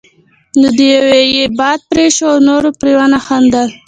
نو د يوه یې باد پرې شو او نورو پرې ونه خندل.